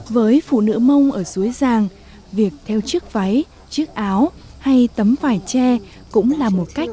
với phụ nữ mông ở suối giang việc theo chiếc váy chiếc áo hay tấm vải tre cũng là một cách